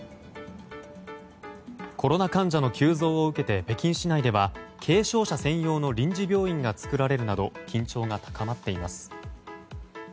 コロナ患者の急増を受けて北京市内では軽症者専用の臨時病院が作られるなど緊張が高まっています。